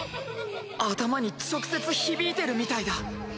頭に直接響いてるみたいだ。